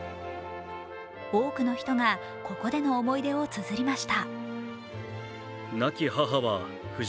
多くの人がここでの思い出をつづりました。